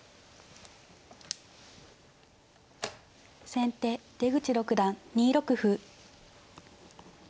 先手出口六段２六歩。